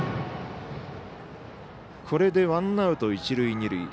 これでワンアウト、一塁二塁。